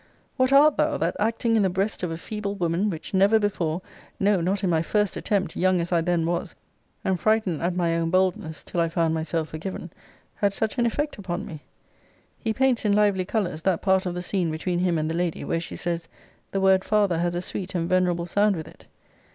What art thou, that acting in the breast of a feeble woman, which never before, no, not in my first attempt, young as I then was, and frightened at my own boldness (till I found myself forgiven,) had such an effect upon me! [He paints in lively colours, that part of the scene between him and the Lady, where she says, The word father has a sweet and venerable sound with it.